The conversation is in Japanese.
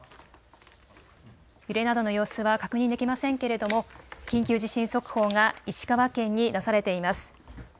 揺れなどの様子は確認できませんけれども緊急地震速報が石川県に出されています。